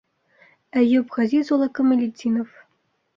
Әйүп Ғәзиз улы Камалетдинов.